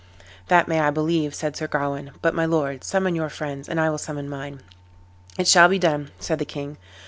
"That may I believe," said Sir Gawain; "but, my lord, summon your friends, and I will summon mine." "It shall be done," said the king.